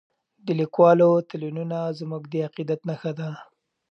د لیکوالو تلینونه زموږ د عقیدت نښه ده.